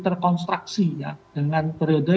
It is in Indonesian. terkonstruksi ya dengan periode